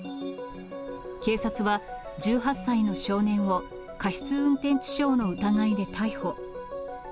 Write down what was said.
警察は１８歳の少年を過失運転致傷の疑いで逮捕。